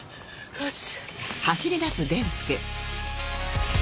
よし。